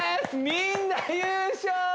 みんな優勝！